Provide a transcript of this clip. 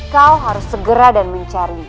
kau harus segera dan mencari